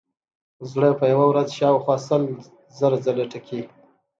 زړه په یوه ورځ شاوخوا سل زره ځلې ټکي.